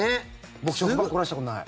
僕、食パン凍らせたことない。